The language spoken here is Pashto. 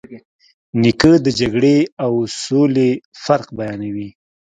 نیکه د جګړې او سولې فرق بیانوي.